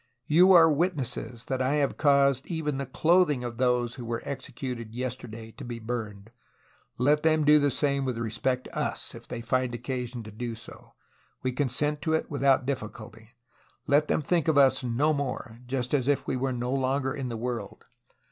You are witnesses that I have caused even the clothing of those who were executed yesterday to be burned. Let them do the same with respect to us, if they find occasion to do so; we con sent to it without difficulty. Let them think of us no more, just as if we were no longer in the world.